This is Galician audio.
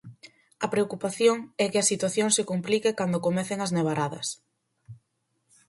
A preocupación é que a situación se complique cando comecen as nevaradas.